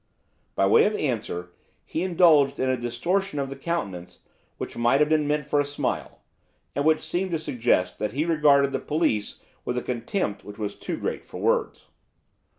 By way of answer he indulged in a distortion of the countenance which might have been meant for a smile, and which seemed to suggest that he regarded the police with a contempt which was too great for words.